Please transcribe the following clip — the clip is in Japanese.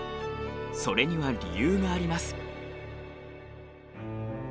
それには理由があります。